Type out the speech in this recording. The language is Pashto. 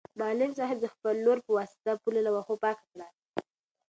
معلم صاحب د خپل لور په واسطه پوله له واښو پاکه کړه.